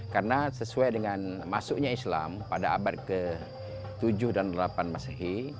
karena sesuai dengan masuknya islam pada abad ke tujuh dan ke delapan masehi